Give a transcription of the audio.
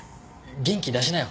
元気出しなよ